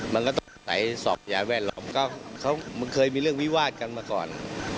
มันก็ใส่สอบยาแว่นลองเคยมีลวกวิวาสกันมาก่อน